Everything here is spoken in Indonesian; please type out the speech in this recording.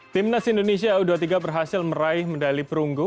timnas indonesia u dua puluh tiga berhasil meraih medali perunggu